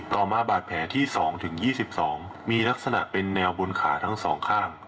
ต่อมาบาดแผลที่๒๒มีลักษณะเป็นแนวบนขาทั้งสองข้าง